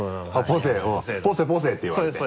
「ポセポセ」って言われる？